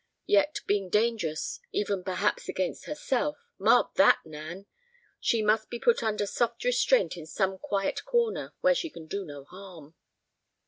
Yet being dangerous, even, perhaps, against herself—mark that, Nan!—she must be put under soft restraint in some quiet corner where she can do no harm."